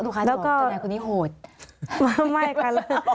นึกว่าทนายคนนี้โหดแล้วก็ไม่ค่ะ